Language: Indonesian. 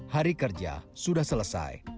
hari kerja sudah selesai